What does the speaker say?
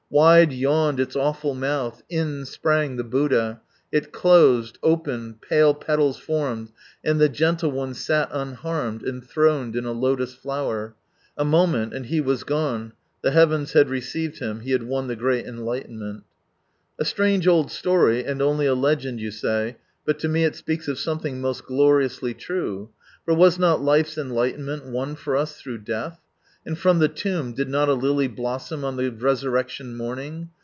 Wide yawned its awful mouth, in sprang the Buddha. It closed, opened, pale petals formed and the gentle one sat unharmed, enthroned in a Lotus flower. A moment, and he was gone, the heavens had received him, he bad won The Great Enlightenment. , }i A strange old story, and only a legend you say, but to me ' "^i it speaks of something most gloriously true. For was not ', Life's Enlightenment won for us through death ? and from the Tomb did not a lily blossom on the Resurrection morning